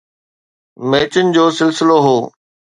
ميچن جو سلسلو هو